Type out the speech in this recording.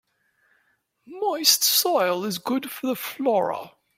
Moist soil is good for the flora.